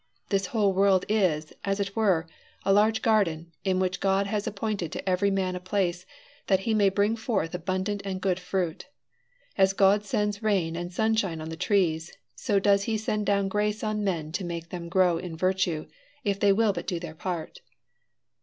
This whole world is, as it were, a large garden, in which God has appointed to every man a place, that he may bring forth abundant and good fruit. As God sends rain and sunshine on the trees, so does he send down grace on men to make them grow in virtue, if they will but do their part."